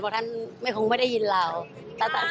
พวกท่านไม่คงไม่ได้ยินเราแต่ตลอดที่ท่านอยู่นี่พวกเรารักท่านตลอด